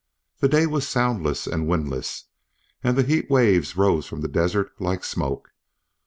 The day was soundless and windless, and the heat waves rose from the desert like smoke.